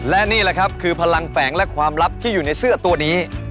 และนี่แหละครับคือพลังแฝงและความลับที่อยู่ในเสื้อตัวนี้